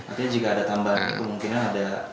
artinya jika ada tambahan kemungkinan ada